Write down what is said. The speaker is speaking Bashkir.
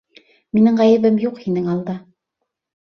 Минең ғәйебем юҡ һинең алда.